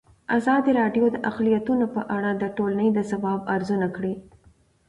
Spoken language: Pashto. ازادي راډیو د اقلیتونه په اړه د ټولنې د ځواب ارزونه کړې.